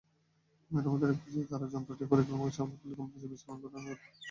মেরামতের একপর্যায়ে তাঁরা যন্ত্রটি পরীক্ষামূলকভাবে চালু করলে কম্প্রেসর বিস্ফোরণের ঘটনা ঘটে।